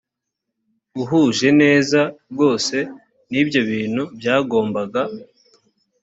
uhuje neza rwose n ibyo bintu byagombaga